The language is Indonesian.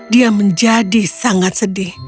dia menjadi sangat sedih